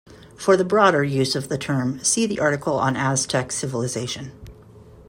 For the broader use of the term, see the article on Aztec civilization.